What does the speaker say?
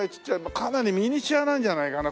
かなりミニチュアなんじゃないかな